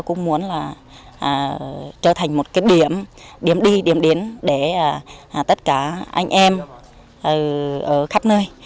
cũng muốn trở thành một điểm đi điểm đến để tất cả anh em khắp nơi